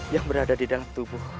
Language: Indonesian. yang berada di dalam tubuh